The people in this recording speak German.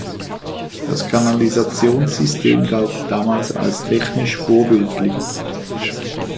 Das Kanalisationssystem galt damals als technisch vorbildlich.